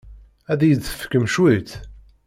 Ad iyi-d-tefkem cwiṭ?